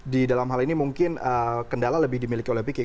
di dalam hal ini mungkin kendala lebih dimiliki oleh pikin